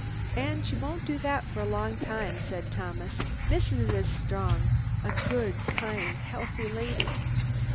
"And she won't do that for a long time," said Thomas. "Missus is strong. A good, kind, healthy lady."